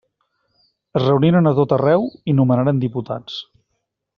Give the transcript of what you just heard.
Es reuniren a tot arreu i nomenaren diputats.